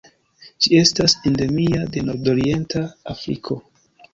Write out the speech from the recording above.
Ĝi estas endemia de nordorienta Afriko.